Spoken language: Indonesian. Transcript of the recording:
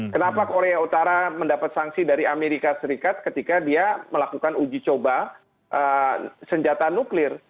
kenapa korea utara mendapat sanksi dari amerika serikat ketika dia melakukan uji coba senjata nuklir